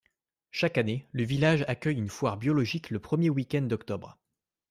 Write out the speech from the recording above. Chaque année le village accueille une foire biologique le premier week-end d'octobre.